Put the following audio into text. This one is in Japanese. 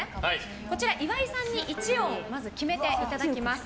こちら岩井さんにまず１音決めていただきます。